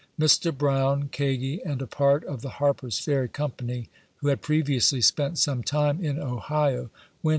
Mr. Brown, Kagi, and a part of the Harper's Ferry company, who had previously spent some time in Ohio, went KENNEDY JAEM.